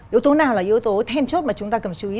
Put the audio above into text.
yếu tố nào là yếu tố then chốt mà chúng ta cần chú ý